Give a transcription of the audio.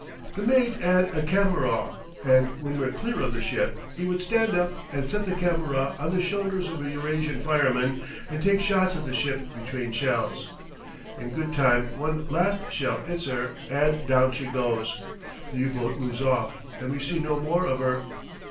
"The mate 'ad a cameraw, and when we're clear of the ship he would stand up and set the cameraw on the shoulders of a Eurasian fireman, and take shots of the ship between shells. "In good time one last shell 'its 'er, and down she goes. The U boat moves off, and we see no more of 'er.